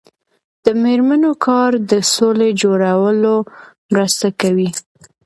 د میرمنو کار د سولې جوړولو مرسته کوي.